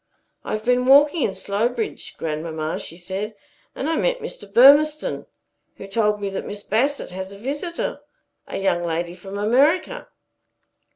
"I have been walking in Slowbridge, grandmamma," she said, "and I met Mr. Burmistone, who told me that Miss Bassett has a visitor a young lady from America."